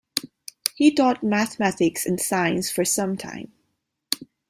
He taught mathematics and science for some time.